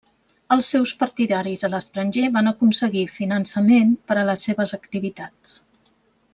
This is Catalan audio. Els seus partidaris a l'estranger van aconseguir finançament per a les seves activitats.